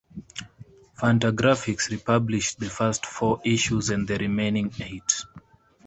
Fantagraphics republished the first four issues and the remaining eight.